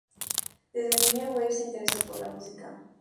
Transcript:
Desde niño, Weiß se interesó por la música.